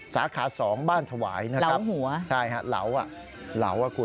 สาขาสองบ้านถวายนะครับใช่ฮะเหลาอ่ะเหลาอ่ะคุณ